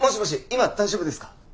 今大丈夫ですか？